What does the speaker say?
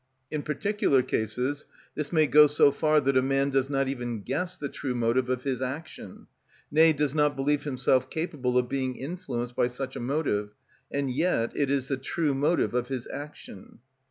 In particular cases this may go so far that a man does not even guess the true motive of his action, nay, does not believe himself capable of being influenced by such a motive; and yet it is the true motive of his action.